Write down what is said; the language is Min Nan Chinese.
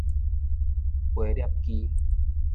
飛攝機